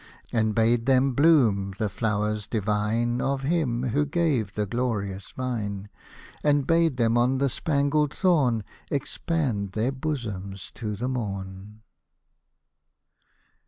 And bade them bloom, the flowers divine Of him who gave the glorious vine ; And bade them on the spangled thorn Expand their bosoms to the morn.